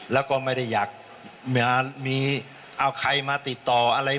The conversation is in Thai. แล้วก็ไม่ได้อยากมีเอาใครมาติดต่ออะไร